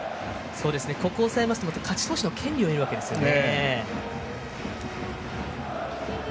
ここを抑えますと勝ち投手の権利を得るわけですね。